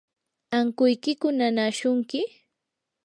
¿ankuykiku nanaashunki?